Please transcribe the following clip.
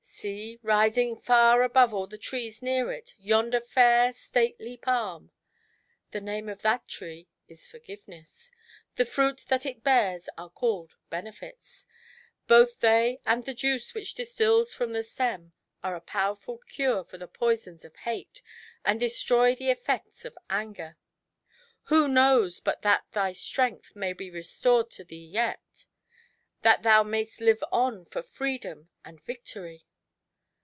See, rising far above all the trees near it, yonder fair, stately palm. The name of that tree is Forgive ness, the fruit that it beai's are called Benefits; both they and the juice which distils from the stem are a powei'ful cure for the poisons of Hate, and destroy the effects of Anger. Who knows but that thy strength may be re stored to thee yet, that thou mayst live on for freedom and victory!"